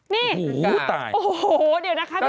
นี่โอ้โหเดี๋ยวนะคะพี่ปลา